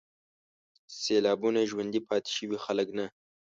سېلابونو ژوندي پاتې شوي خلک نه